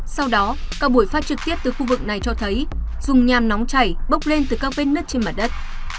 sau đó các buổi phát trực tiếp từ khu vực này cho thấy dung nham nóng chảy bốc lên từ các bên nước trên mặt đất